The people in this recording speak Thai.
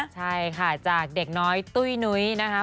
ใช่ค่ะจากเด็กน้อยตุ้ยนุ้ยนะคะ